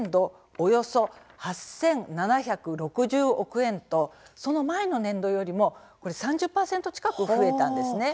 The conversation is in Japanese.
およそ８７６０億円と前の年度より３０％近く増えたんです。